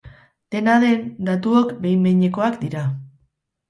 Dena den, datuok behin-behinekoak dira.